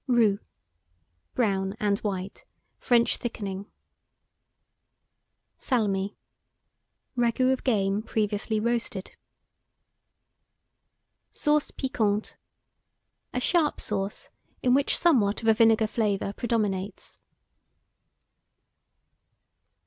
ROUX. Brown and white; French thickening. SALMI. Ragout of game previously roasted. SAUCE PIQUANTE. A sharp sauce, in which somewhat of a vinegar flavour predominates.